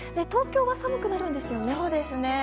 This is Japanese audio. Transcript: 東京は寒くなるんですよね。